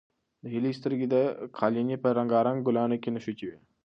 د هیلې سترګې د قالینې په رنګارنګ ګلانو کې نښتې وې.